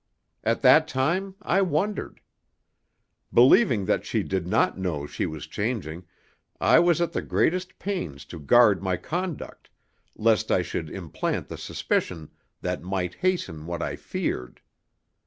At that time I wondered. Believing that she did not know she was changing, I was at the greatest pains to guard my conduct, lest I should implant the suspicion that might hasten what I feared.